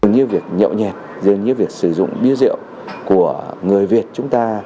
như việc nhậu nhẹt dường như việc sử dụng bia rượu của người việt chúng ta